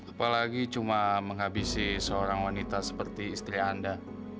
apalagi cuma menghabisi seorang wanita seperti istri anda